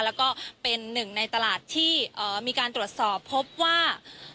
แล้วก็เป็นหนึ่งในตลาดที่มีการตรวจสอบพบว่า